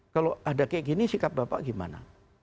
kalau ada kayak gini sikap bapak gimana